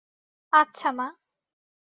আচ্ছা, মা।